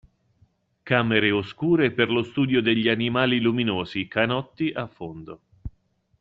Camere oscure per lo studio degli animali luminosi, canotti a fondo.